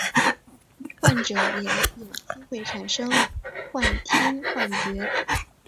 患者也有机会产生幻听幻觉。